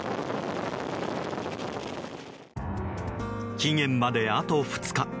期限まであと２日。